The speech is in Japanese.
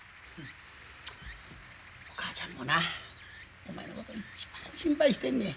お母ちゃんもなお前のこと一番心配してんねや。